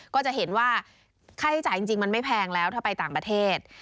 ก็จะเห็นว่าค่าใช้จ่ายจริงมันไม่แพงแล้วถ้าไปต่างประเทศ